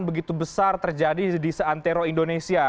begitu besar terjadi di seantero indonesia